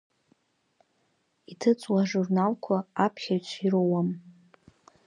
Иҭыҵуа ажурналқәа аԥхьаҩцәа ироуам.